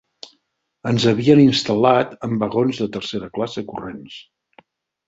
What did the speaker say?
Ens havien instal·lat en vagons de tercera classe corrents